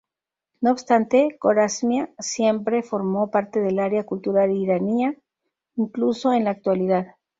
No obstante, Corasmia siempre formó parte del área cultural irania, incluso en la actualidad.